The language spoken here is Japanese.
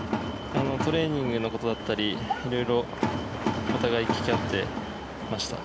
トレーニングのことだったり色々、お互い聞き合ってました。